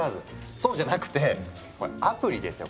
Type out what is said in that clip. そうじゃなくてアプリですよ